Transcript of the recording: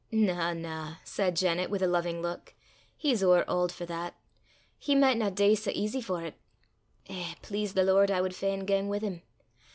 "Na, na," said Janet, with a loving look. "He's ower auld for that. He micht na dee sae easy for 't. Eh! please the Lord, I wad fain gang wi' him.